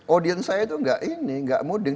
audiens saya itu tidak ini tidak muding